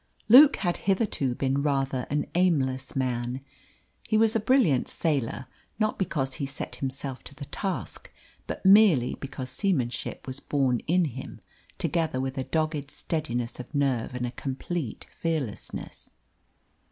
Luke had hitherto been rather an aimless man. He was a brilliant sailor, not because he set himself to the task, but merely because seamanship was born in him, together with a dogged steadiness of nerve and a complete fearlessness.